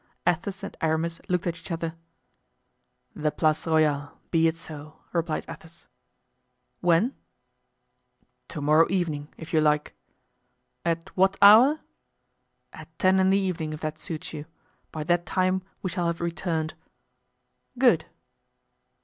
Athos and Aramis looked at each other. "The Place Royale—be it so!" replied Athos. "When?" "To morrow evening, if you like!" "At what hour?" "At ten in the evening, if that suits you; by that time we shall have returned." "Good."